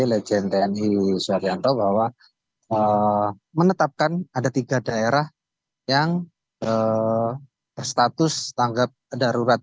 lejen tni suwadi anto bahwa menetapkan ada tiga daerah yang berstatus tangkap darurat